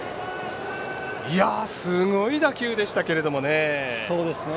すごい打球でしたけれども。